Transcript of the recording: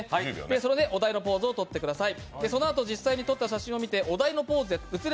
それで、お題のポーズをとってください。